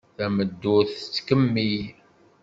Tameddurt tettkemmil.